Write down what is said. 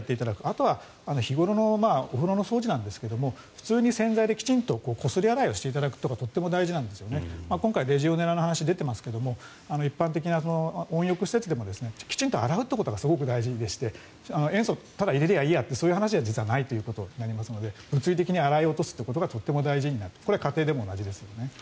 あとは日頃のお風呂掃除なんですが普通に洗剤できちんとこすり洗いをしていただくことが大事なんですが今回レジオネラの話が出ていますけども一般的な温浴施設でもきちんと洗うってことがすごく大事でして塩素をただ入れればいいやってそういう話ではないので物理的に洗い落とすというのが大事になってきてこれ、家庭でも同じですね。